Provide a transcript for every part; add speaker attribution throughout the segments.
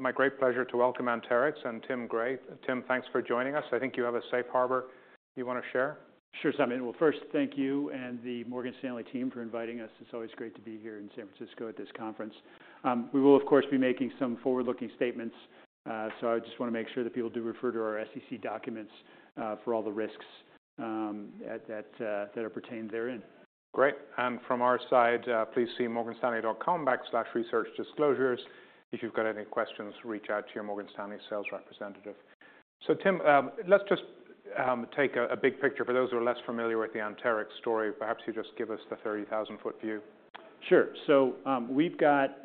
Speaker 1: My great pleasure to welcome Anterix and Tim Gray. Tim, thanks for joining us. I think you have a safe harbor you want to share.
Speaker 2: Sure. So I mean, well, first, thank you and the Morgan Stanley team for inviting us. It's always great to be here in San Francisco at this conference. We will, of course, be making some forward-looking statements. So I just want to make sure that people do refer to our SEC documents for all the risks that are pertained therein.
Speaker 1: Great. From our side, please see morganstanley.com/researchdisclosures. If you've got any questions, reach out to your Morgan Stanley sales representative. Tim, let's just take a big picture. For those who are less familiar with the Anterix story, perhaps you just give us the 30,000-foot view.
Speaker 2: Sure. So we've got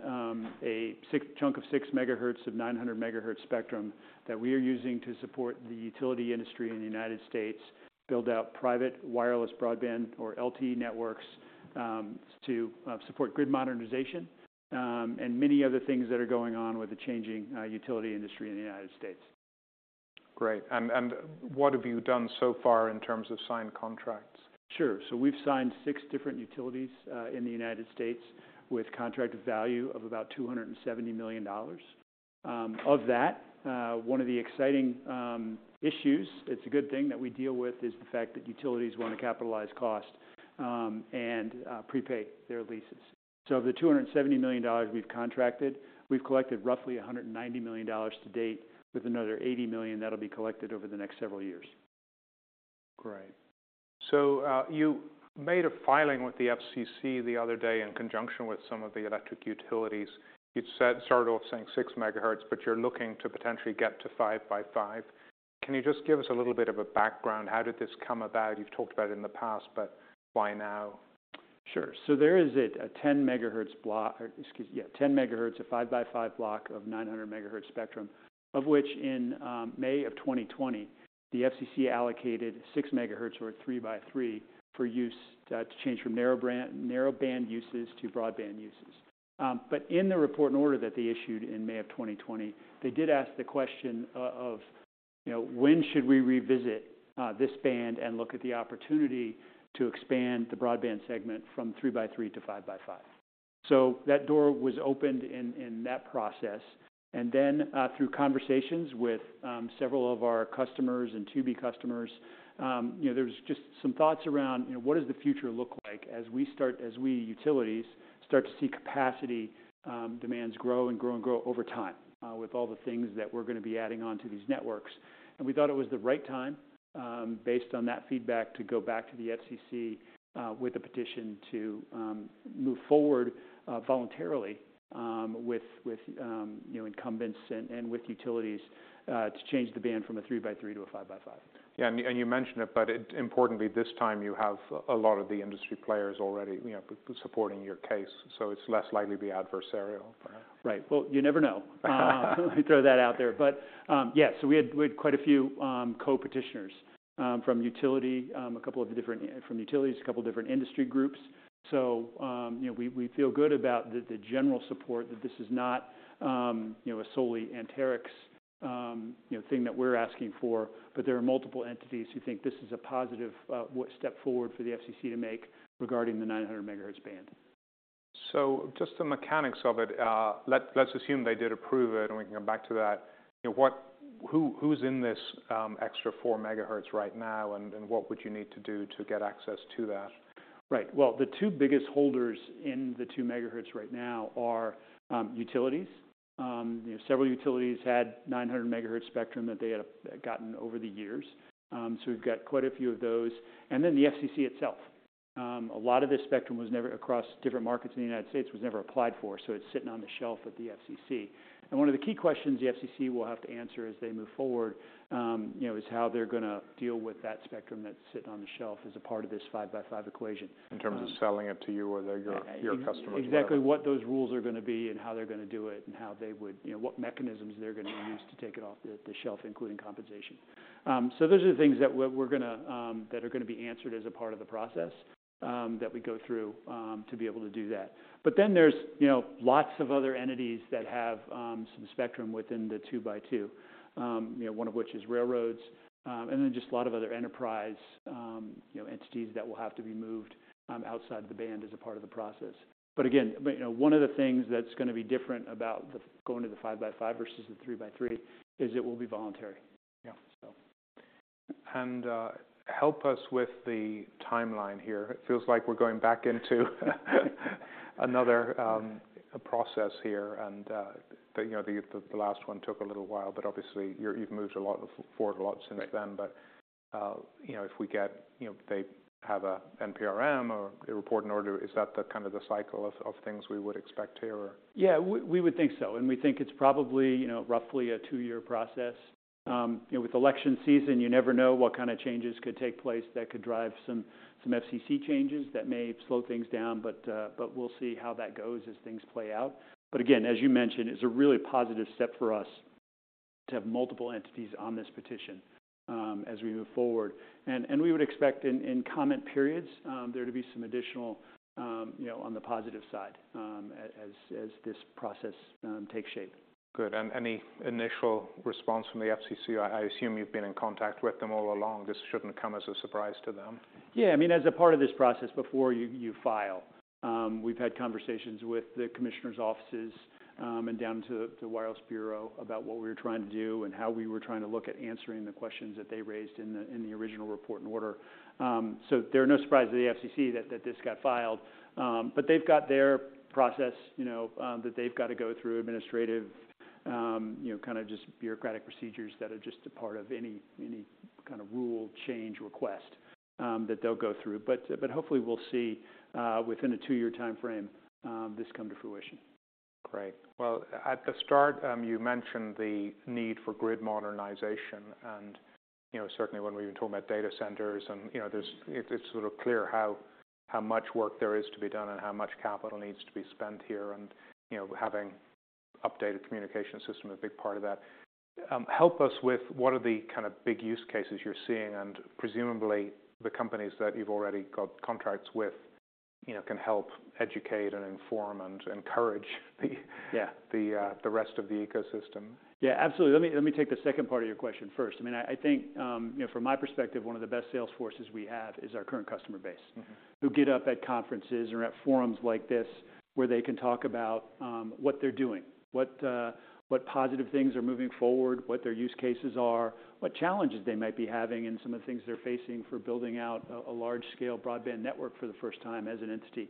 Speaker 2: a chunk of 6 MHz of 900 MHz spectrum that we are using to support the utility industry in the United States, build out private wireless broadband, or LTE, networks to support grid modernization, and many other things that are going on with the changing utility industry in the United States.
Speaker 1: Great. What have you done so far in terms of signed contracts?
Speaker 2: Sure. So we've signed six different utilities in the United States with contract value of about $270 million. Of that, one of the exciting issues, it's a good thing that we deal with, is the fact that utilities want to capitalize cost and prepay their leases. So of the $270 million we've contracted, we've collected roughly $190 million to date, with another $80 million that'll be collected over the next several years.
Speaker 1: Great. So you made a filing with the FCC the other day in conjunction with some of the electric utilities. You'd started off saying 6 MHz, but you're looking to potentially get to 5 by 5. Can you just give us a little bit of a background? How did this come about? You've talked about it in the past, but why now?
Speaker 2: Sure. So there is a 10 MHz block excuse me, yeah, 10 MHz, a 5x5 block of 900 MHz spectrum, of which in May 2020, the FCC allocated 6 MHz, or 3x3, for use to change from narrowband uses to broadband uses. But in the Report and Order that they issued in May 2020, they did ask the question of, you know, when should we revisit this band and look at the opportunity to expand the broadband segment from 3x3 to 5x5? So that door was opened in that process. And then through conversations with several of our customers and to-be customers, you know, there was just some thoughts around, you know, what does the future look like as we utilities start to see capacity demands grow and grow and grow over time with all the things that we're going to be adding onto these networks? We thought it was the right time, based on that feedback, to go back to the FCC with a petition to move forward voluntarily with, you know, incumbents and with utilities to change the band from a 3 by 3 to a 5 by 5.
Speaker 1: Ye ah. And you mentioned it, but importantly, this time you have a lot of the industry players already, you know, supporting your case. So it's less likely to be adversarial, perhaps.
Speaker 2: Right. Well, you never know. Let me throw that out there. But yes, so we had quite a few co-petitioners from utility, a couple of different from utilities, a couple of different industry groups. So, you know, we feel good about the general support that this is not, you know, a solely Anterix, you know, thing that we're asking for. But there are multiple entities who think this is a positive step forward for the FCC to make regarding the 900 MHz band.
Speaker 1: So just the mechanics of it. Let's assume they did approve it, and we can come back to that. You know, what's in this extra four MHz right now, and what would you need to do to get access to that?
Speaker 2: Right. Well, the two biggest holders in the 2 MHz right now are utilities. You know, several utilities had 900 MHz spectrum that they had gotten over the years. So we've got quite a few of those. And then the FCC itself. A lot of this spectrum was never across different markets in the United States was never applied for, so it's sitting on the shelf at the FCC. And one of the key questions the FCC will have to answer as they move forward, you know, is how they're going to deal with that spectrum that's sitting on the shelf as a part of this 5 by 5 equation.
Speaker 1: In terms of selling it to you or your customers?
Speaker 2: Exactly what those rules are going to be and how they're going to do it and how they would, you know, what mechanisms they're going to use to take it off the shelf, including compensation. So those are the things that we're going to that are going to be answered as a part of the process that we go through to be able to do that. But then there's, you know, lots of other entities that have some spectrum within the 2 by 2, you know, one of which is railroads, and then just a lot of other enterprise, you know, entities that will have to be moved outside of the band as a part of the process. But again, you know, one of the things that's going to be different about going to the 5 by 5 versus the 3 by 3 is it will be voluntary.
Speaker 1: Yeah. Help us with the timeline here. It feels like we're going back into another process here. You know, the last one took a little while, but obviously you've moved a lot forward a lot since then. You know, if we get, you know, they have an NPRM or a Report and Order, is that the kind of the cycle of things we would expect here, or?
Speaker 2: Yeah, we would think so. And we think it's probably, you know, roughly a two-year process. You know, with election season, you never know what kind of changes could take place that could drive some FCC changes that may slow things down. But we'll see how that goes as things play out. But again, as you mentioned, it's a really positive step for us to have multiple entities on this petition as we move forward. And we would expect in comment periods there to be some additional, you know, on the positive side as this process takes shape.
Speaker 1: Good. And any initial response from the FCC? I assume you've been in contact with them all along. This shouldn't come as a surprise to them.
Speaker 2: Yeah. I mean, as a part of this process, before you file, we've had conversations with the Commissioner's offices and down to the Wireless Bureau about what we were trying to do and how we were trying to look at answering the questions that they raised in the original Report and Order. So they're no surprise to the FCC that this got filed. But they've got their process, you know, that they've got to go through, administrative, you know, kind of just bureaucratic procedures that are just a part of any kind of rule change request that they'll go through. But hopefully we'll see within a two-year time frame this come to fruition.
Speaker 1: Great. Well, at the start, you mentioned the need for grid modernization. You know, certainly when we were talking about data centers and, you know, there is, it's sort of clear how much work there is to be done and how much capital needs to be spent here. You know, having an updated communication system is a big part of that. Help us with what are the kind of big use cases you're seeing, and presumably the companies that you've already got contracts with, you know, can help educate and inform and encourage the rest of the ecosystem?
Speaker 2: Yeah, absolutely. Let me take the second part of your question first. I mean, I think, you know, from my perspective, one of the best sales forces we have is our current customer base, who get up at conferences or at forums like this where they can talk about what they're doing, what positive things are moving forward, what their use cases are, what challenges they might be having in some of the things they're facing for building out a large-scale broadband network for the first time as an entity.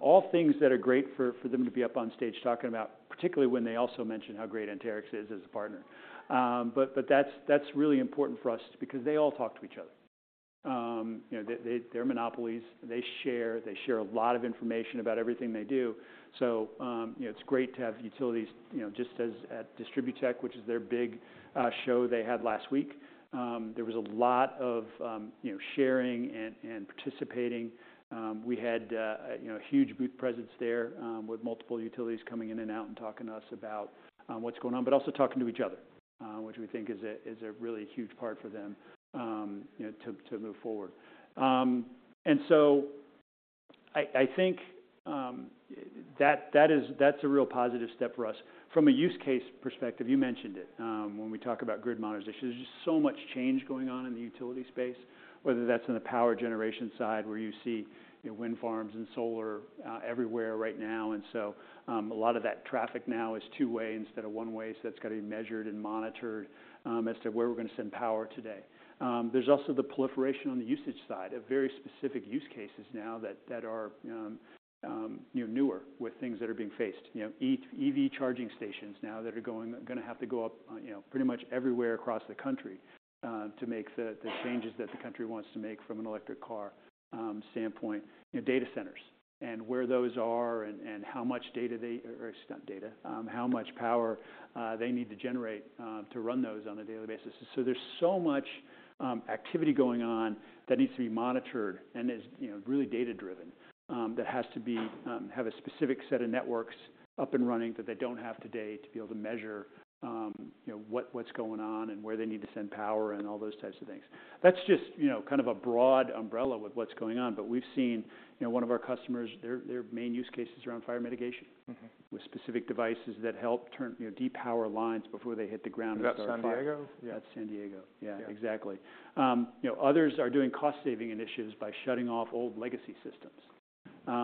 Speaker 2: All things that are great for them to be up on stage talking about, particularly when they also mention how great Anterix is as a partner. But that's really important for us because they all talk to each other. You know, they're monopolies. They share. They share a lot of information about everything they do. So, you know, it's great to have utilities, you know, just as at Tech, which is their big show they had last week. There was a lot of, you know, sharing and participating. We had, you know, huge booth presence there with multiple utilities coming in and out and talking to us about what's going on, but also talking to each other, which we think is a really huge part for them, you know, to move forward. And so I think that's a real positive step for us. From a use case perspective, you mentioned it when we talk about grid modernization. There's just so much change going on in the utility space, whether that's in the power generation side where you see wind farms and solar everywhere right now. And so a lot of that traffic now is two-way instead of one-way. So that's got to be measured and monitored as to where we're going to send power today. There's also the proliferation on the usage side of very specific use cases now that are, you know, newer with things that are being faced, you know, EV charging stations now that are going to have to go up, you know, pretty much everywhere across the country to make the changes that the country wants to make from an electric car standpoint, you know, data centers and where those are and how much data they or, not data, how much power they need to generate to run those on a daily basis. So there's so much activity going on that needs to be monitored and is, you know, really data-driven that has to be have a specific set of networks up and running that they don't have today to be able to measure, you know, what's going on and where they need to send power and all those types of things. That's just, you know, kind of a broad umbrella with what's going on. But we've seen, you know, one of our customers, their main use cases around fire mitigation with specific devices that help, you know, depower lines before they hit the ground and start.
Speaker 1: Is that San Diego?
Speaker 2: Yeah, that's San Diego. Yeah, exactly. You know, others are doing cost-saving initiatives by shutting off old legacy systems. You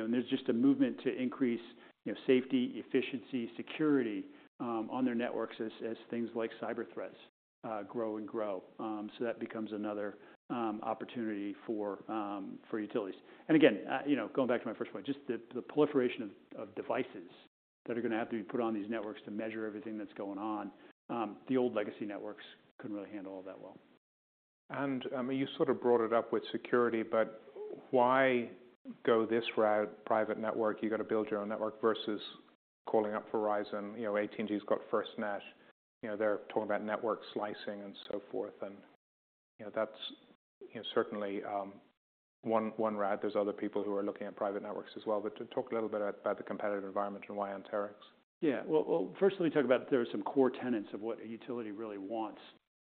Speaker 2: know, and there's just a movement to increase, you know, safety, efficiency, security on their networks as things like cyber threats grow and grow. So that becomes another opportunity for utilities. And again, you know, going back to my first point, just the proliferation of devices that are going to have to be put on these networks to measure everything that's going on, the old legacy networks couldn't really handle all that well.
Speaker 1: You sort of brought it up with security, but why go this route, private network? You got to build your own network versus calling up Verizon. You know, AT&T's got FirstNet. You know, they're talking about network slicing and so forth. And, you know, that's, you know, certainly one route. There's other people who are looking at private networks as well. But talk a little bit about the competitive environment and why Anterix?
Speaker 2: Yeah. Well, first, let me talk about. There are some core tenets of what a utility really wants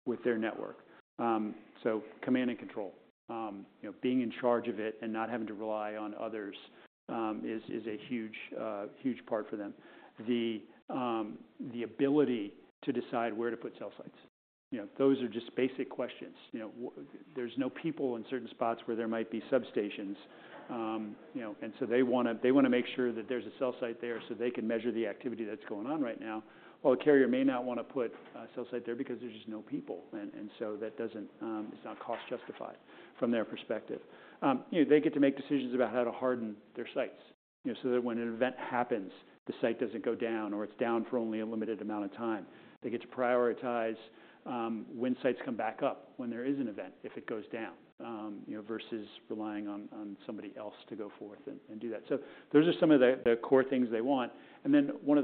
Speaker 2: with their network. So command and control. You know, being in charge of it and not having to rely on others is a huge, huge part for them. The ability to decide where to put cell sites. You know, those are just basic questions. You know, there's no people in certain spots where there might be substations. You know, and so they want to make sure that there's a cell site there so they can measure the activity that's going on right now. Well, a carrier may not want to put a cell site there because there's just no people. And so that doesn't. It's not cost-justified from their perspective. You know, they get to make decisions about how to harden their sites, you know, so that when an event happens, the site doesn't go down or it's down for only a limited amount of time. They get to prioritize when sites come back up when there is an event if it goes down, you know, versus relying on somebody else to go forth and do that. So those are some of the core things they want. And then one of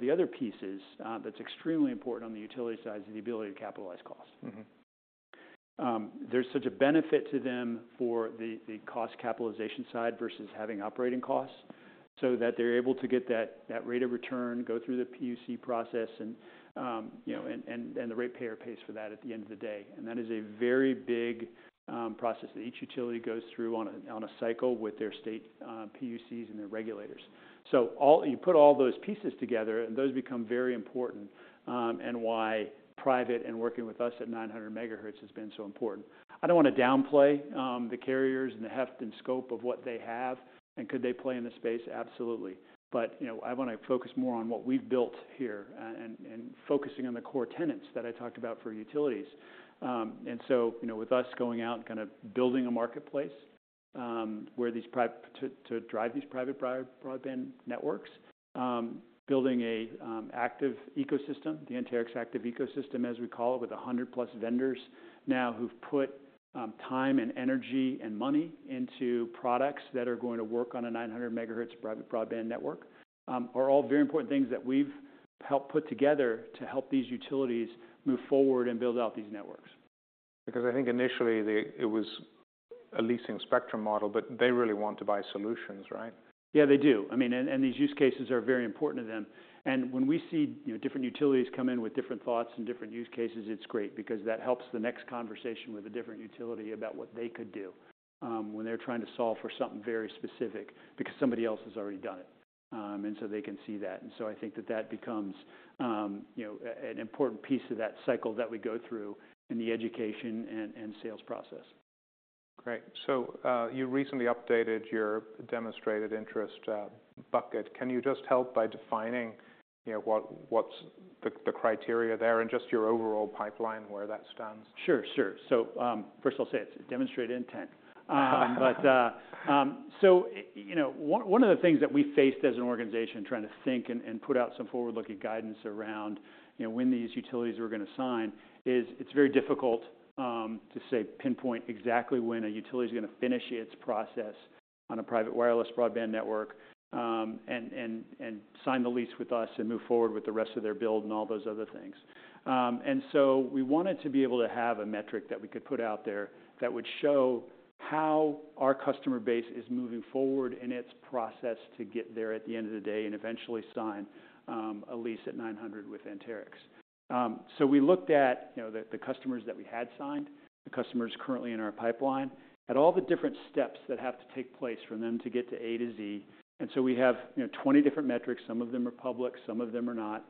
Speaker 2: the other pieces that's extremely important on the utility side is the ability to capitalize cost. There's such a benefit to them for the cost capitalization side versus having operating costs so that they're able to get that rate of return, go through the PUC process, and, you know, and the rate payer pays for that at the end of the day. That is a very big process that each utility goes through on a cycle with their state PUCs and their regulators. You put all those pieces together, and those become very important and why private and working with us at 900 MHz has been so important. I don't want to downplay the carriers and the heft and scope of what they have. Could they play in this space? Absolutely. But, you know, I want to focus more on what we've built here and focusing on the core tenets that I talked about for utilities. And so, you know, with us going out and kind of building a marketplace where these to drive these private broadband networks, building an Active Ecosystem, the Anterix Active Ecosystem, as we call it, with 100+ vendors now who've put time and energy and money into products that are going to work on a 900 MHz private broadband network are all very important things that we've helped put together to help these utilities move forward and build out these networks.
Speaker 1: Because I think initially it was a leasing spectrum model, but they really want to buy solutions, right?
Speaker 2: Yeah, they do. I mean, and these use cases are very important to them. And when we see, you know, different utilities come in with different thoughts and different use cases, it's great because that helps the next conversation with a different utility about what they could do when they're trying to solve for something very specific because somebody else has already done it. And so they can see that. And so I think that that becomes, you know, an important piece of that cycle that we go through in the education and sales process.
Speaker 1: Great. So you recently updated your demonstrated interest bucket. Can you just help by defining, you know, what's the criteria there and just your overall pipeline, where that stands?
Speaker 2: Sure, sure. So first, I'll say it's Demonstrated Intent. But so, you know, one of the things that we faced as an organization trying to think and put out some forward-looking guidance around, you know, when these utilities were going to sign is it's very difficult to, say, pinpoint exactly when a utility is going to finish its process on a private wireless broadband network and sign the lease with us and move forward with the rest of their build and all those other things. And so we wanted to be able to have a metric that we could put out there that would show how our customer base is moving forward in its process to get there at the end of the day and eventually sign a lease at 900 with Anterix. So we looked at, you know, the customers that we had signed, the customers currently in our pipeline, at all the different steps that have to take place for them to get to A to Z. And so we have, you know, 20 different metrics. Some of them are public. Some of them are not.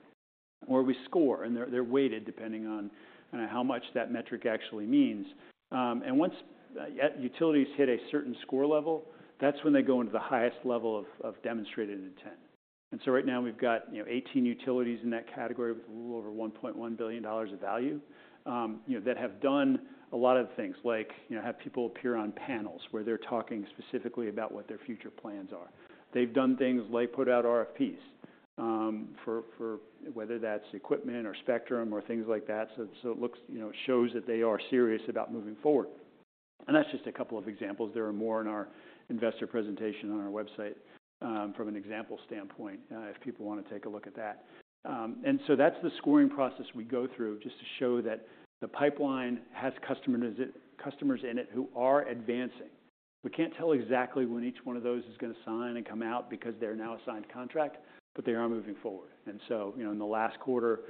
Speaker 2: Or we score. And they're weighted depending on kind of how much that metric actually means. And once utilities hit a certain score level, that's when they go into the highest level of Demonstrated Intent. And so right now we've got, you know, 18 utilities in that category with a little over $1.1 billion of value, you know, that have done a lot of things, like, you know, have people appear on panels where they're talking specifically about what their future plans are. They've done things like put out RFPs for whether that's equipment or spectrum or things like that. So it looks, you know, it shows that they are serious about moving forward. And that's just a couple of examples. There are more in our investor presentation on our website from an example standpoint if people want to take a look at that. And so that's the scoring process we go through just to show that the pipeline has customers in it who are advancing. We can't tell exactly when each one of those is going to sign and come out because they're now a signed contract, but they are moving forward. And so, you know, in the last quarter,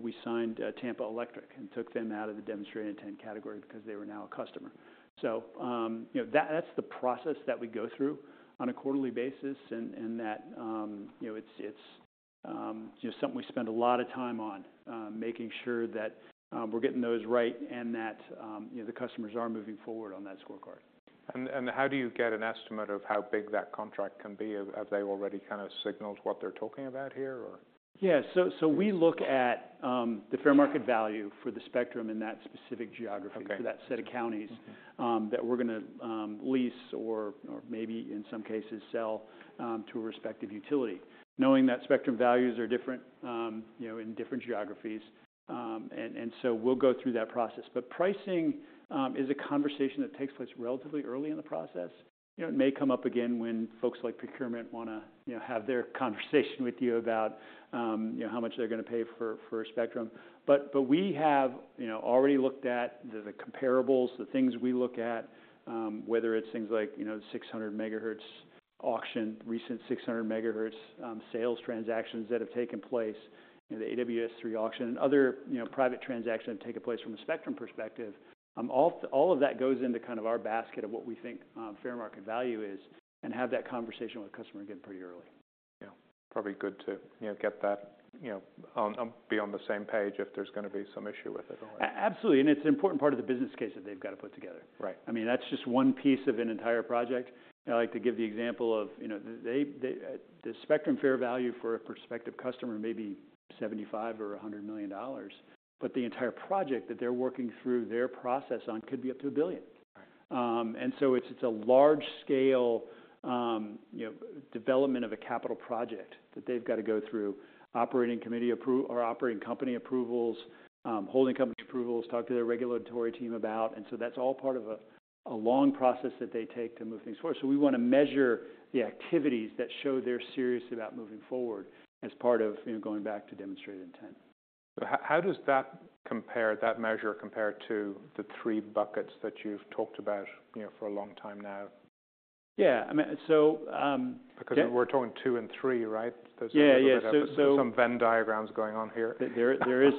Speaker 2: we signed Tampa Electric and took them out of the Demonstrated Intent category because they were now a customer. You know, that's the process that we go through on a quarterly basis and that, you know, it's something we spend a lot of time on making sure that we're getting those right and that, you know, the customers are moving forward on that scorecard.
Speaker 1: How do you get an estimate of how big that contract can be? Have they already kind of signaled what they're talking about here, or?
Speaker 2: Yeah. So we look at the fair market value for the spectrum in that specific geography, for that set of counties that we're going to lease or maybe in some cases sell to a respective utility, knowing that spectrum values are different, you know, in different geographies. And so we'll go through that process. But pricing is a conversation that takes place relatively early in the process. You know, it may come up again when folks like procurement want to, you know, have their conversation with you about, you know, how much they're going to pay for a spectrum. But we have, you know, already looked at the comparables, the things we look at, whether it's things like, you know, the 600 MHz auction, recent 600 MHz sales transactions that have taken place, you know, the AWS-3 auction and other, you know, private transactions that have taken place from a spectrum perspective. All of that goes into kind of our basket of what we think fair market value is and have that conversation with the customer again pretty early.
Speaker 1: Yeah. Probably good to, you know, get that, you know, be on the same page if there's going to be some issue with it.
Speaker 2: Absolutely. And it's an important part of the business case that they've got to put together.
Speaker 1: Right.
Speaker 2: I mean, that's just one piece of an entire project. I like to give the example of, you know, the spectrum fair value for a prospective customer may be $75 million or $100 million, but the entire project that they're working through, their process on, could be up to $1 billion. And so it's a large-scale, you know, development of a capital project that they've got to go through, operating committee approval or operating company approvals, holding company approvals, talk to their regulatory team about. And so that's all part of a long process that they take to move things forward. So we want to measure the activities that show they're serious about moving forward as part of, you know, going back to Demonstrated Intent.
Speaker 1: How does that measure compare to the three buckets that you've talked about, you know, for a long time now?
Speaker 2: Yeah. I mean, so.
Speaker 1: Because we're talking two and three, right?
Speaker 2: Yeah.
Speaker 1: There's some Venn diagrams going on here.
Speaker 2: There is.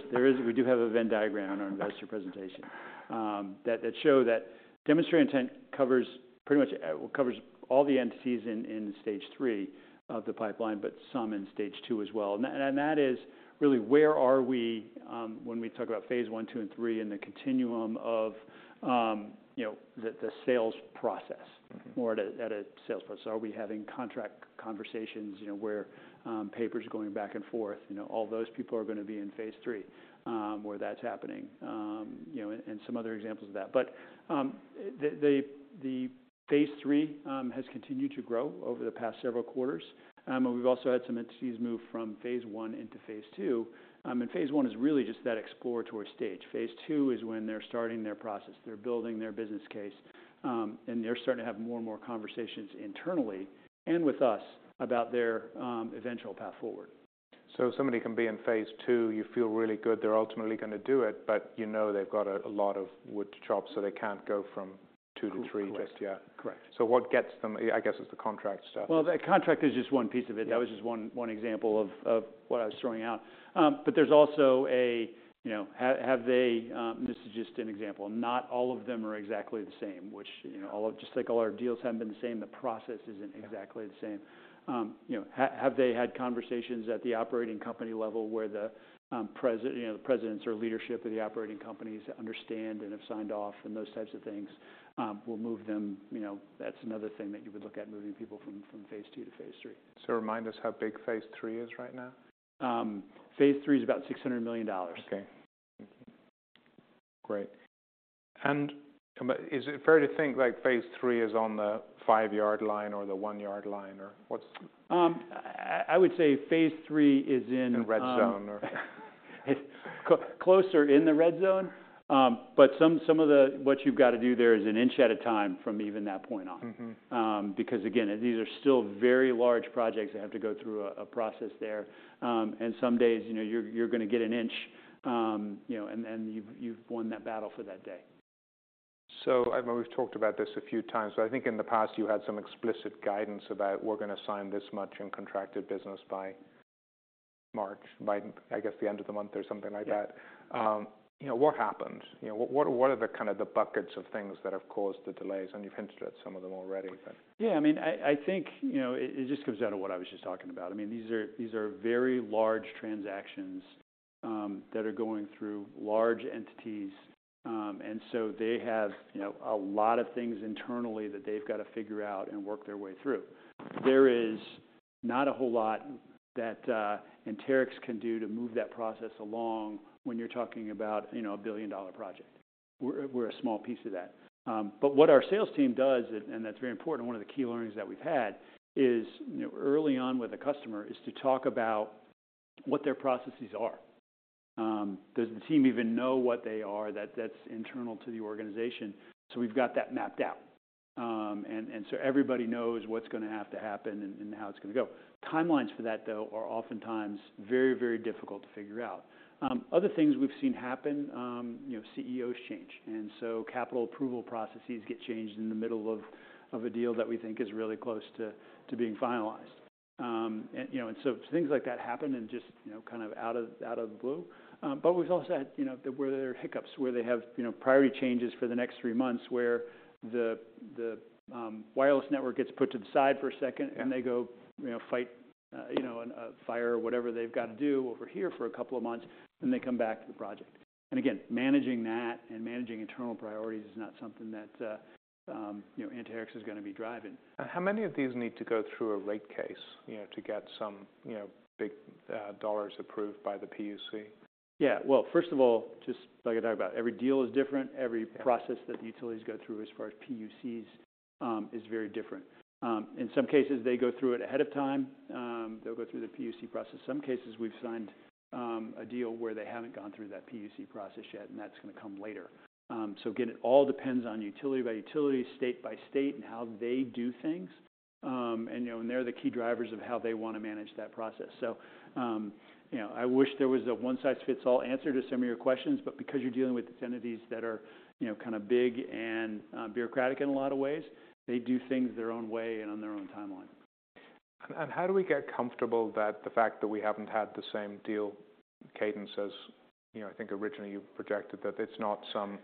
Speaker 2: We do have a Venn diagram in our investor presentation that shows that demonstrated intent covers pretty much all the entities in stage three of the pipeline, but some in stage two as well. And that is really where we are when we talk about phase one, two, and three in the continuum of, you know, the sales process, more of a sales process? Are we having contract conversations, you know, where papers are going back and forth? You know, all those people are going to be in phase III where that's happening, you know, and some other examples of that. But the phase III has continued to grow over the past several quarters. We've also had some entities move from phase one into phase two. Phase one is really just that exploratory stage. Phase two is when they're starting their process. They're building their business case, and they're starting to have more and more conversations internally and with us about their eventual path forward.
Speaker 1: Somebody can be in phase two. You feel really good they're ultimately going to do it, but you know they've got a lot of wood to chop, so they can't go from two to three.
Speaker 2: Correct.
Speaker 1: Just, yeah.
Speaker 2: Correct.
Speaker 1: What gets them, I guess, is the contract stuff.
Speaker 2: Well, the contract is just one piece of it. That was just one example of what I was throwing out. But there's also, you know, have they? This is just an example. Not all of them are exactly the same, which, you know, just like all our deals haven't been the same, the process isn't exactly the same. You know, have they had conversations at the operating company level where the president, you know, the presidents or leadership of the operating companies understand and have signed off and those types of things will move them, you know, that's another thing that you would look at, moving people from phase II to phase III.
Speaker 1: Remind us how big phase III is right now?
Speaker 2: phase III is about $600 million.
Speaker 1: Okay. Great. Is it fair to think, like, phase III is on the five-yard line or the one-yard line or what's?
Speaker 2: I would say phase III is in.
Speaker 1: In red zone, or?
Speaker 2: Closer in the red zone. But some of the what you've got to do there is an inch at a time from even that point on because, again, these are still very large projects that have to go through a process there. And some days, you know, you're going to get an inch, you know, and you've won that battle for that day.
Speaker 1: So, I know we've talked about this a few times, but I think in the past you had some explicit guidance about we're going to sign this much in contracted business by March, by, I guess, the end of the month or something like that. You know, what happened? You know, what are the kind of the buckets of things that have caused the delays? And you've hinted at some of them already, but.
Speaker 2: Yeah. I mean, I think, you know, it just comes down to what I was just talking about. I mean, these are very large transactions that are going through large entities. And so they have, you know, a lot of things internally that they've got to figure out and work their way through. There is not a whole lot that Anterix can do to move that process along when you're talking about, you know, a billion-dollar project. We're a small piece of that. But what our sales team does, and that's very important, one of the key learnings that we've had is, you know, early on with a customer is to talk about what their processes are. Does the team even know what they are? That's internal to the organization. So we've got that mapped out. And so everybody knows what's going to have to happen and how it's going to go. Timelines for that, though, are oftentimes very, very difficult to figure out. Other things we've seen happen, you know, CEO"s change. And so capital approval processes get changed in the middle of a deal that we think is really close to being finalized. And, you know, and so things like that happen and just, you know, kind of out of the blue. But we've also had, you know, where there are hiccups, where they have, you know, priority changes for the next three months where the wireless network gets put to the side for a second and they go, you know, fight, you know, a fire or whatever they've got to do over here for a couple of months, then they come back to the project. And again, managing that and managing internal priorities is not something that, you know, Anterix is going to be driving.
Speaker 1: How many of these need to go through a rate case, you know, to get some, you know, big dollars approved by the PUC?
Speaker 2: Yeah. Well, first of all, just like I talked about, every deal is different. Every process that the utilities go through as far as PUCs is very different. In some cases, they go through it ahead of time. They'll go through the PUC process. Some cases, we've signed a deal where they haven't gone through that PUC process yet, and that's going to come later. So again, it all depends on utility by utility, state by state, and how they do things. And, you know, and they're the key drivers of how they want to manage that process. So, you know, I wish there was a one-size-fits-all answer to some of your questions, but because you're dealing with entities that are, you know, kind of big and bureaucratic in a lot of ways, they do things their own way and on their own timeline.
Speaker 1: How do we get comfortable that the fact that we haven't had the same deal cadence as, you know, I think originally you projected that it's not some,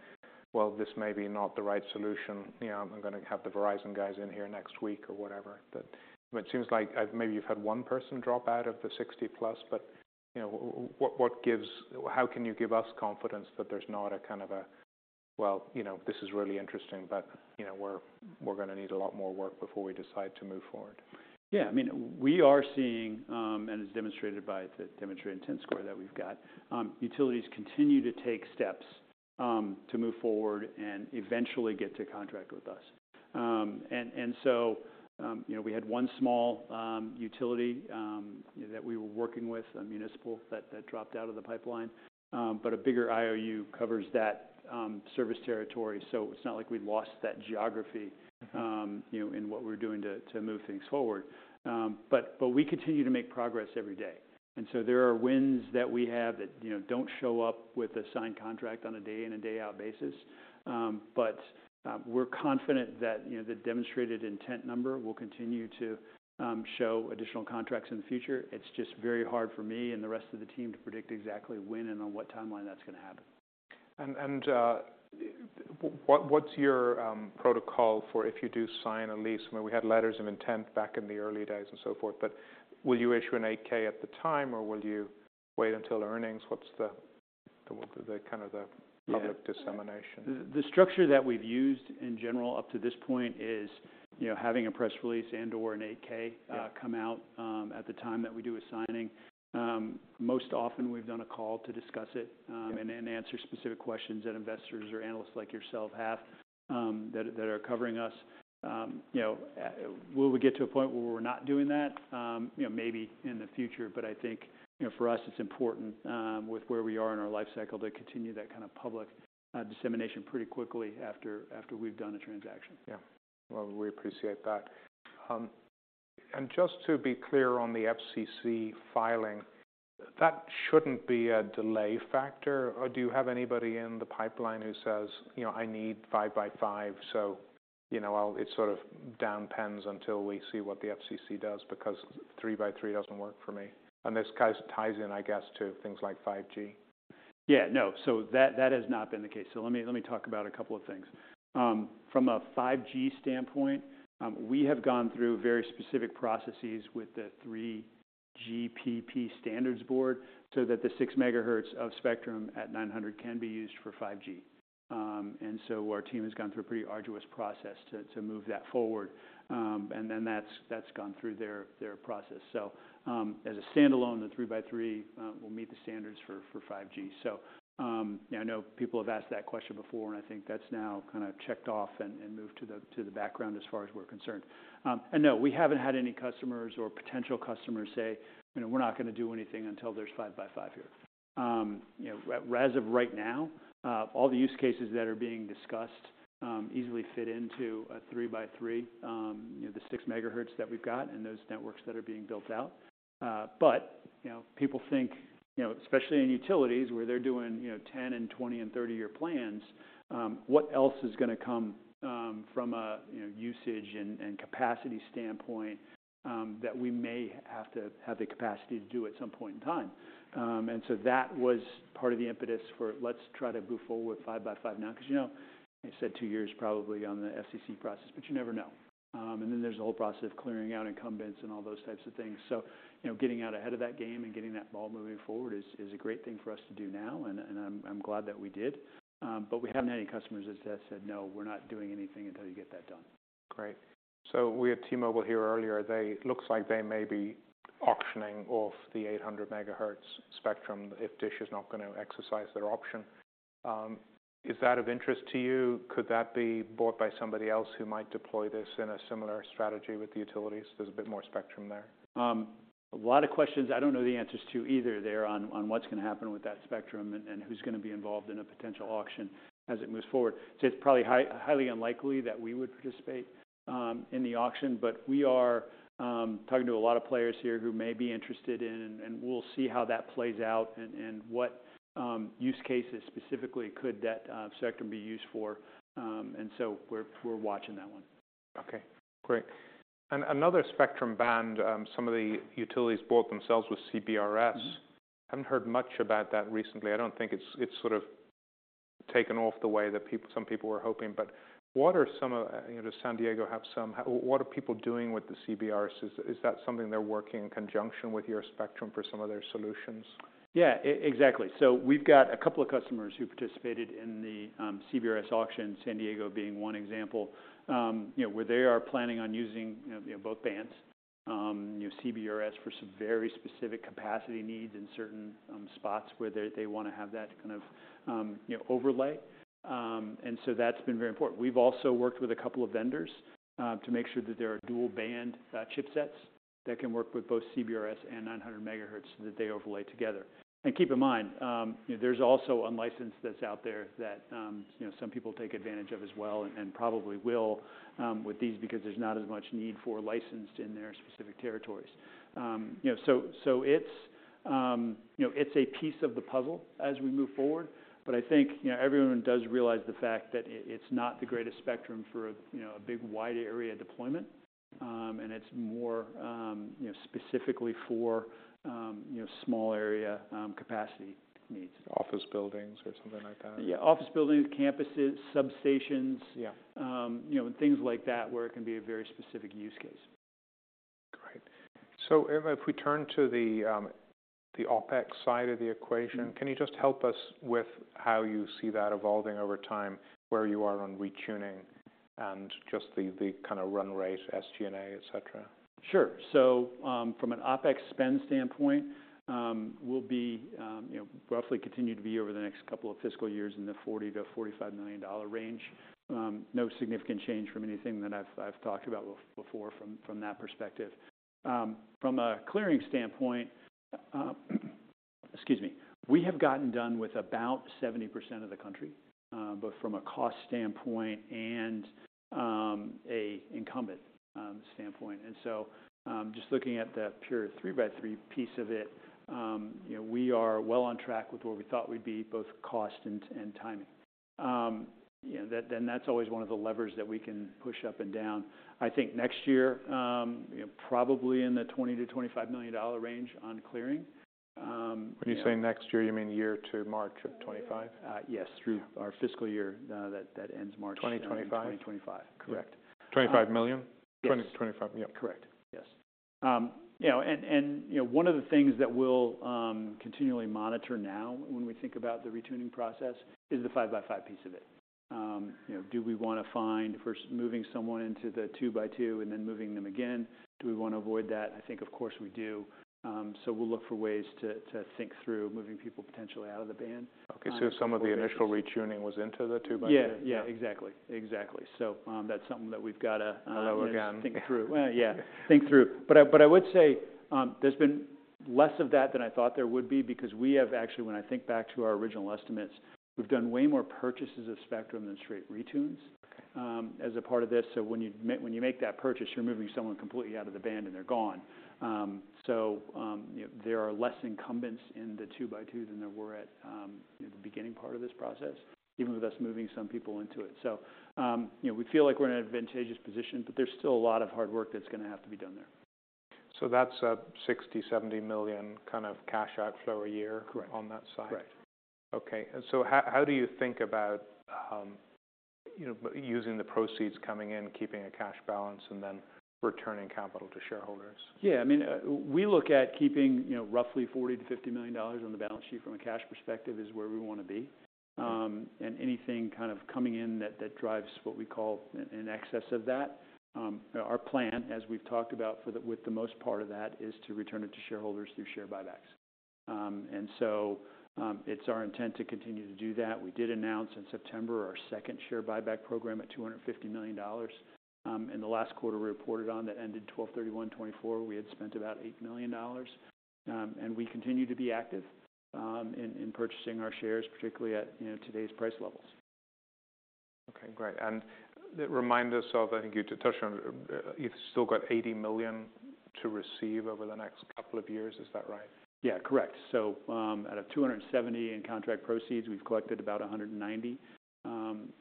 Speaker 1: well, this may be not the right solution, you know, I'm going to have the Verizon guys in here next week or whatever, that it seems like maybe you've had one person drop out of the 60-plus, but, you know, what gives, how can you give us confidence that there's not a kind of a, well, you know, this is really interesting, but, you know, we're going to need a lot more work before we decide to move forward?
Speaker 2: Yeah. I mean, we are seeing, and it's demonstrated by the Demonstrated Intent score that we've got, utilities continue to take steps to move forward and eventually get to contract with us. And so, you know, we had one small utility that we were working with, a municipal, that dropped out of the pipeline. But a bigger IOU covers that service territory. So it's not like we lost that geography, you know, in what we were doing to move things forward. But we continue to make progress every day. And so there are wins that we have that, you know, don't show up with a signed contract on a day-in and day-out basis. But we're confident that, you know, the Demonstrated Intent number will continue to show additional contracts in the future. It's just very hard for me and the rest of the team to predict exactly when and on what timeline that's going to happen.
Speaker 1: What's your protocol for if you do sign a lease? I mean, we had letters of intent back in the early days and so forth, but will you issue an 8-K at the time, or will you wait until earnings? What's the kind of public dissemination?
Speaker 2: The structure that we've used in general up to this point is, you know, having a press release and/or an 8K come out at the time that we do a signing. Most often, we've done a call to discuss it and answer specific questions that investors or analysts like yourself have that are covering us. You know, will we get to a point where we're not doing that? You know, maybe in the future. But I think, you know, for us, it's important with where we are in our life cycle to continue that kind of public dissemination pretty quickly after we've done a transaction.
Speaker 1: Yeah. Well, we appreciate that. And just to be clear on the FCC filing, that shouldn't be a delay factor, or do you have anybody in the pipeline who says, you know, I need 5x5, so, you know, it sort of depends until we see what the FCC does because 3x3 doesn't work for me? And this ties in, I guess, to things like 5G.
Speaker 2: Yeah. No. So that has not been the case. So let me talk about a couple of things. From a 5G standpoint, we have gone through very specific processes with the 3GPP Standards Board so that the 6 MHz of spectrum at 900 can be used for 5G. And so our team has gone through a pretty arduous process to move that forward. And then that's gone through their process. So as a standalone, the 3x3 will meet the standards for 5G. So, you know, I know people have asked that question before, and I think that's now kind of checked off and moved to the background as far as we're concerned. And no, we haven't had any customers or potential customers say, you know, we're not going to do anything until there's 5x5 here. You know, as of right now, all the use cases that are being discussed easily fit into a 3 by 3, you know, the 6 MHz that we've got and those networks that are being built out. But, you know, people think, you know, especially in utilities where they're doing, you know, 10- and 20- and 30-year plans, what else is going to come from a, you know, usage and capacity standpoint that we may have to have the capacity to do at some point in time? And so that was part of the impetus for let's try to move forward with 5 by 5 now because, you know, they said 2 years probably on the FCC process, but you never know. And then there's a whole process of clearing out incumbents and all those types of things. So, you know, getting out ahead of that game and getting that ball moving forward is a great thing for us to do now, and I'm glad that we did. But we haven't had any customers that said, no, we're not doing anything until you get that done.
Speaker 1: Great. So we had T-Mobile here earlier. It looks like they may be auctioning off the 800 MHz spectrum if DISH is not going to exercise their option. Is that of interest to you? Could that be bought by somebody else who might deploy this in a similar strategy with the utilities? There's a bit more spectrum there.
Speaker 2: A lot of questions I don't know the answers to either, there on what's going to happen with that spectrum and who's going to be involved in a potential auction as it moves forward. So it's probably highly unlikely that we would participate in the auction, but we are talking to a lot of players here who may be interested in, and we'll see how that plays out and what use cases specifically could that spectrum be used for. So we're watching that one.
Speaker 1: Okay. Great. And another spectrum band, some of the utilities bought themselves with CBRS. I haven't heard much about that recently. I don't think it's sort of taken off the way that some people were hoping. But what are some of, you know, does San Diego have some? What are people doing with the CBRS? Is that something they're working in conjunction with your spectrum for some of their solutions?
Speaker 2: Yeah. Exactly. So we've got a couple of customers who participated in the CBRS auction, San Diego being one example, you know, where they are planning on using, you know, both bands, you know, CBRS for some very specific capacity needs in certain spots where they want to have that kind of, you know, overlay. And so that's been very important. We've also worked with a couple of vendors to make sure that there are dual-band chipsets that can work with both CBRS and 900 MHz so that they overlay together. And keep in mind, you know, there's also unlicensed that's out there that, you know, some people take advantage of as well and probably will with these because there's not as much need for licensed in their specific territories. You know, so it's, you know, it's a piece of the puzzle as we move forward. I think, you know, everyone does realize the fact that it's not the greatest spectrum for, you know, a big wide-area deployment, and it's more, you know, specifically for, you know, small-area capacity needs.
Speaker 1: Office buildings or something like that?
Speaker 2: Yeah. Office buildings, campuses, substations, you know, and things like that where it can be a very specific use case.
Speaker 1: Great. So if we turn to the OpEx side of the equation, can you just help us with how you see that evolving over time, where you are on retuning and just the kind of run rate, SG&A, et cetera?
Speaker 2: Sure. So from an OpEx spend standpoint, we'll be, you know, roughly continue to be over the next couple of fiscal years in the $40-$45 million range. No significant change from anything that I've talked about before from that perspective. From a clearing standpoint, excuse me, we have gotten done with about 70% of the country, both from a cost standpoint and an incumbent standpoint. And so just looking at the pure 3x3 piece of it, you know, we are well on track with where we thought we'd be, both cost and timing. You know, then that's always one of the levers that we can push up and down. I think next year, you know, probably in the $20-$25 million range on clearing.
Speaker 1: When you say next year, you mean year to March of 2025?
Speaker 2: Yes. Through our fiscal year that ends March 2025.
Speaker 1: 2025?
Speaker 2: Correct.
Speaker 1: $25 million?
Speaker 2: Yes. $25, yep. Correct. Yes. You know, and you know, one of the things that we'll continually monitor now when we think about the retuning process is the 5 by 5 piece of it. You know, do we want to find if we're moving someone into the 2 by 2 and then moving them again, do we want to avoid that? I think, of course, we do. So we'll look for ways to think through moving people potentially out of the band.
Speaker 1: Okay. So some of the initial retuning was into the 2x2?
Speaker 2: Yeah. Yeah. Exactly. Exactly. So that's something that we've got to think through.
Speaker 1: Hello again.
Speaker 2: Yeah. Think through. But I would say there's been less of that than I thought there would be because we have actually, when I think back to our original estimates, we've done way more purchases of spectrum than straight retunes as a part of this. So when you make that purchase, you're moving someone completely out of the band and they're gone. So, you know, there are less incumbents in the two by two than there were at the beginning part of this process, even with us moving some people into it. So, you know, we feel like we're in an advantageous position, but there's still a lot of hard work that's going to have to be done there.
Speaker 1: So that's a $60 million-$70 million kind of cash outflow a year on that side?
Speaker 2: Correct.
Speaker 1: Okay. And so how do you think about, you know, using the proceeds coming in, keeping a cash balance, and then returning capital to shareholders?
Speaker 2: Yeah. I mean, we look at keeping, you know, roughly $40-$50 million on the balance sheet from a cash perspective is where we want to be. And anything kind of coming in that drives what we call an excess of that, our plan, as we've talked about, with the most part of that is to return it to shareholders through share buybacks. And so it's our intent to continue to do that. We did announce in September our second share buyback program at $250 million. And the last quarter we reported on that ended 12/31/2024, we had spent about $8 million. And we continue to be active in purchasing our shares, particularly at, you know, today's price levels.
Speaker 1: Okay. Great. And that reminds us of, I think you touched on, you've still got $80 million to receive over the next couple of years. Is that right?
Speaker 2: Yeah. Correct. So out of $270 in contract proceeds, we've collected about $190.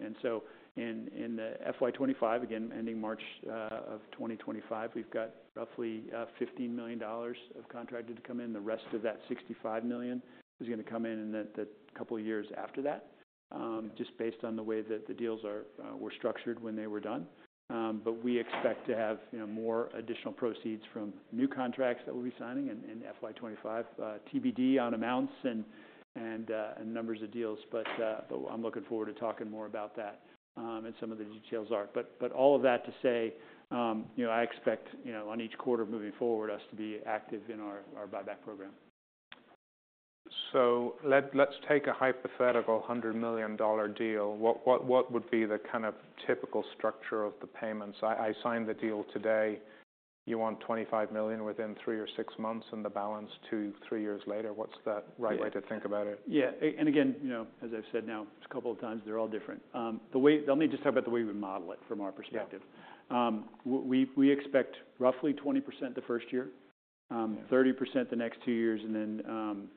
Speaker 2: And so in the FY25, again, ending March of 2025, we've got roughly $15 million of contracted to come in. The rest of that $65 million is going to come in in the couple of years after that, just based on the way that the deals were structured when they were done. But we expect to have, you know, more additional proceeds from new contracts that we'll be signing in FY25, TBD on amounts and numbers of deals. But I'm looking forward to talking more about that and some of the details are. But all of that to say, you know, I expect, you know, on each quarter moving forward, us to be active in our buyback program.
Speaker 1: Let's take a hypothetical $100 million deal. What would be the kind of typical structure of the payments? I sign the deal today. You want $25 million within three or six months and the balance two, three years later. What's the right way to think about it?
Speaker 2: Yeah. And again, you know, as I've said now a couple of times, they're all different. The way they'll need to talk about the way we model it from our perspective. We expect roughly 20% the first year, 30% the next two years, and then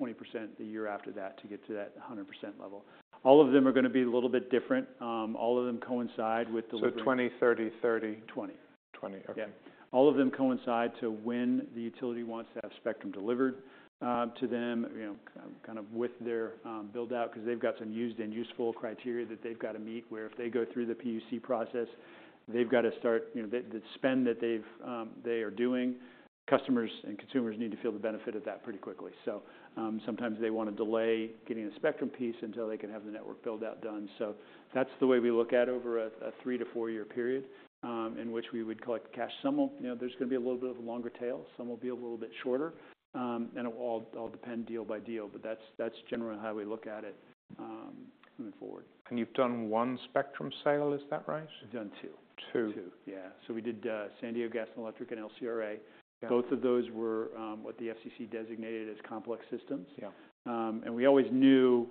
Speaker 2: 20% the year after that to get to that 100% level. All of them are going to be a little bit different. All of them coincide with delivery.
Speaker 1: So 20, 30, 30?
Speaker 2: 20.
Speaker 1: 20. Okay.
Speaker 2: Yeah. All of them coincide to when the utility wants to have spectrum delivered to them, you know, kind of with their buildout because they've got some used and useful criteria that they've got to meet where if they go through the PUC process, they've got to start, you know, the spend that they are doing. Customers and consumers need to feel the benefit of that pretty quickly. So sometimes they want to delay getting a spectrum piece until they can have the network buildout done. So that's the way we look at over a 3-4-year period in which we would collect the cash. Some will, you know, there's going to be a little bit of a longer tail. Some will be a little bit shorter. And it'll all depend deal by deal. But that's generally how we look at it moving forward.
Speaker 1: You've done one spectrum sale. Is that right?
Speaker 2: We've done two.
Speaker 1: Two.
Speaker 2: 2. Yeah. So we did San Diego Gas & Electric and LCRA. Both of those were what the FCC designated as complex systems. We always knew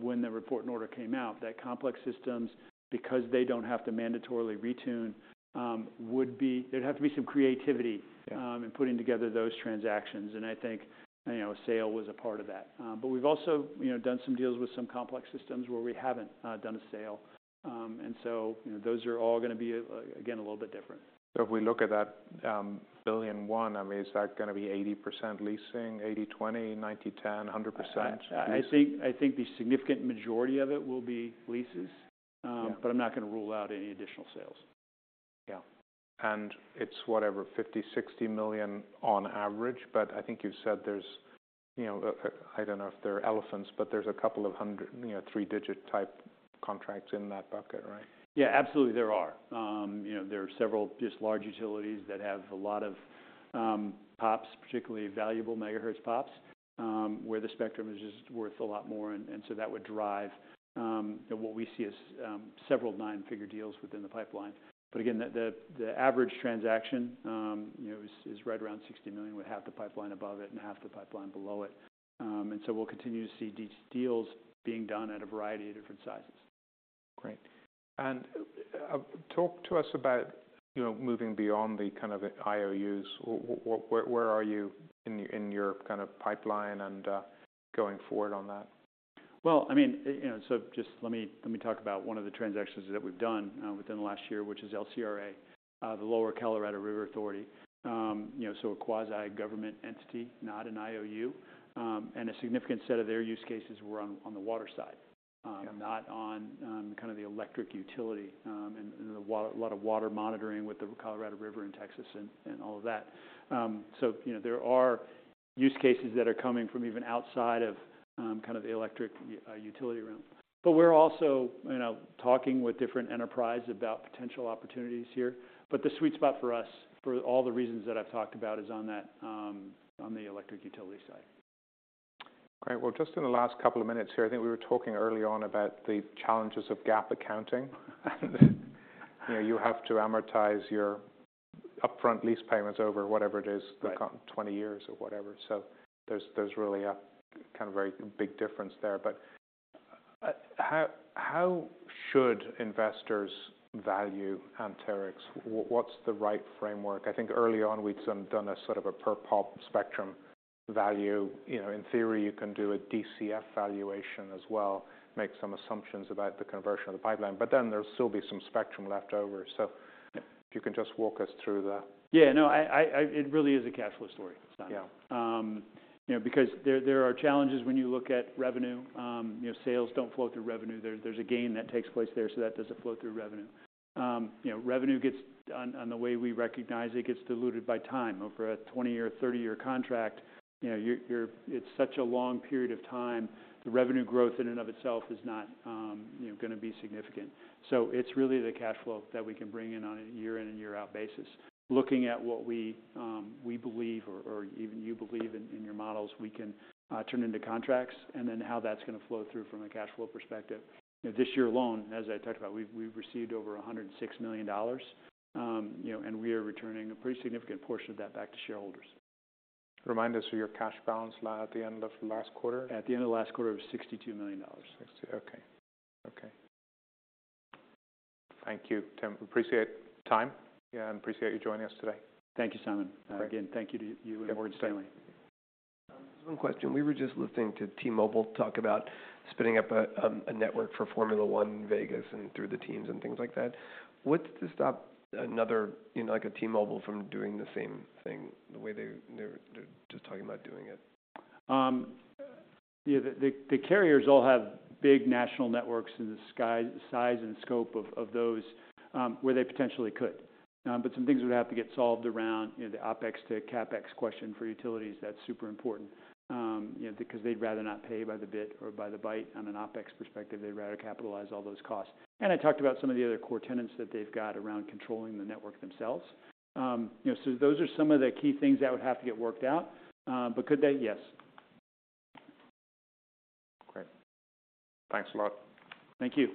Speaker 2: when the Report and Order came out that complex systems, because they don't have to mandatorily retune, would be there'd have to be some creativity in putting together those transactions. I think, you know, a sale was a part of that. But we've also, you know, done some deals with some complex systems where we haven't done a sale. So, you know, those are all going to be, again, a little bit different.
Speaker 1: If we look at that $1 billion, I mean, is that going to be 80% leasing, 80/20, 90/10, 100% leasing?
Speaker 2: I think the significant majority of it will be leases, but I'm not going to rule out any additional sales. Yeah.
Speaker 1: It's whatever, $50-$60 million on average. I think you've said there's, you know, I don't know if they're elephants, but there's a couple of hundred, you know, three-digit type contracts in that bucket, right?
Speaker 2: Yeah. Absolutely. There are. You know, there are several just large utilities that have a lot of POPs, particularly valuable MHz POPs, where the spectrum is just worth a lot more. And so that would drive, you know, what we see as several nine-figure deals within the pipeline. But again, the average transaction, you know, is right around $60 million with half the pipeline above it and half the pipeline below it. And so we'll continue to see deals being done at a variety of different sizes.
Speaker 1: Great. Talk to us about, you know, moving beyond the kind of IOUs. Where are you in your kind of pipeline and going forward on that?
Speaker 2: Well, I mean, you know, so just let me talk about one of the transactions that we've done within the last year, which is LCRA, the Lower Colorado River Authority, you know, so a quasi-government entity, not an IOU. A significant set of their use cases were on the water side, not on kind of the electric utility and a lot of water monitoring with the Colorado River in Texas and all of that. So, you know, there are use cases that are coming from even outside of kind of the electric utility realm. We're also, you know, talking with different enterprises about potential opportunities here. The sweet spot for us, for all the reasons that I've talked about, is on the electric utility side.
Speaker 1: Great. Well, just in the last couple of minutes here, I think we were talking early on about the challenges of GAAP accounting. And, you know, you have to amortize your upfront lease payments over whatever it is, the 20 years or whatever. So there's really a kind of very big difference there. But how should investors value Anterix? What's the right framework? I think early on, we'd done a sort of a per POP spectrum value. You know, in theory, you can do a DCF valuation as well, make some assumptions about the conversion of the pipeline. But then there'll still be some spectrum left over. So if you can just walk us through the.
Speaker 2: Yeah. No, it really is a cash flow story, Simon, you know, because there are challenges when you look at revenue. You know, sales don't flow through revenue. There's a gain that takes place there, so that doesn't flow through revenue. You know, revenue gets, on the way we recognize it, gets diluted by time. Over a 20-year, 30-year contract, you know, it's such a long period of time; the revenue growth in and of itself is not, you know, going to be significant. So it's really the cash flow that we can bring in on a year-in and year-out basis. Looking at what we believe or even you believe in your models, we can turn into contracts and then how that's going to flow through from a cash flow perspective. You know, this year alone, as I talked about, we've received over $106 million, you know, and we are returning a pretty significant portion of that back to shareholders.
Speaker 1: Remind us, so your cash balance at the end of last quarter?
Speaker 2: At the end of last quarter, it was $62 million.
Speaker 1: $62. Okay. Okay. Thank you, Tim. Appreciate time and appreciate you joining us today.
Speaker 2: Thank you, Simon. Again, thank you to you and Morgan Stanley.
Speaker 3: Just one question. We were just listening to T-Mobile talk about spinning up a network for Formula One in Vegas and through the teams and things like that. What's to stop another, you know, like a T-Mobile from doing the same thing, the way they're just talking about doing it?
Speaker 2: You know, the carriers all have big national networks and the size and scope of those where they potentially could. But some things would have to get solved around, you know, the OpEx to CapEx question for utilities. That's super important, you know, because they'd rather not pay by the bit or by the byte. On an OpEx perspective, they'd rather capitalize all those costs. And I talked about some of the other core tenets that they've got around controlling the network themselves. You know, so those are some of the key things that would have to get worked out. But could they? Yes.
Speaker 3: Great. Thanks a lot.
Speaker 2: Thank you.